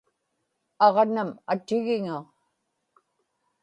aġnam atigiŋa